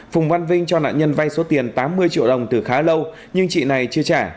phùng văn vinh cho nạn nhân vay số tiền tám mươi triệu đồng từ khá lâu nhưng chị này chưa trả